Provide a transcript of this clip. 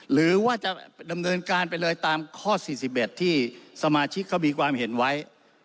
หรือว่าจะดำเนินการไปเลยตามข้อ๔๑ที่สมาชิกเขามีความเห็นไว้